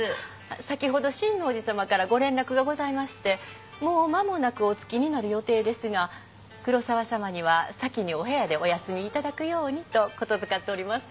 先ほど親王寺さまからご連絡がございましてもう間もなくお着きになる予定ですが黒沢さまには先にお部屋でお休み頂くようにと言付かっております。